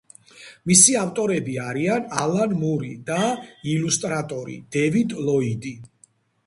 მისი ავტორები არიან ალან მური და ილუსტრატორი დევიდ ლოიდი.